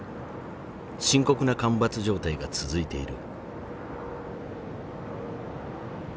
深刻な干ばつ状態が続いている。